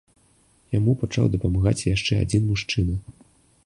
Яму пачаў дапамагаць яшчэ адзін мужчына.